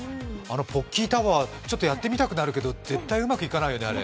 ポッキータワー、やってみたくなるけど、絶対うまくいかないよね、あれ。